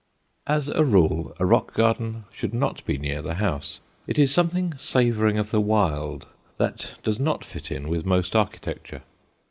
As a rule a rock garden should not be near the house; it is something savoring of the wild that does not fit in with most architecture.